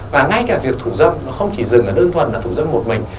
và ngay cả việc thủ dâm nó không chỉ dừng là đơn thuần là thủ dâm một mình